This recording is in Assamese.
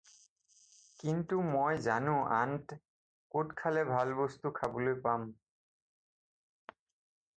কিন্তু মই জানো আণ্ট, ক'ত খালে ভাল বস্তু খাবলৈ পাম।